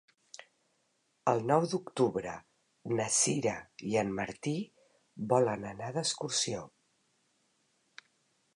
El nou d'octubre na Sira i en Martí volen anar d'excursió.